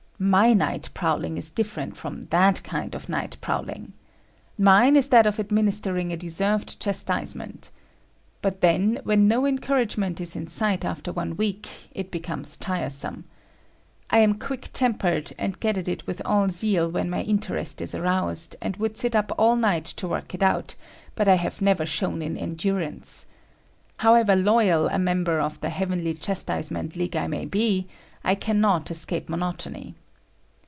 My night prowling is different from that kind of night prowling. Mine is that of administering a deserved chastisement. But then, when no encouragement is in sight after one week, it becomes tiresome. I am quick tempered, and get at it with all zeal when my interest is aroused, and would sit up all night to work it out, but I have never shone in endurance. However loyal a member of the heavenly chastisement league I may be, I cannot escape monotony.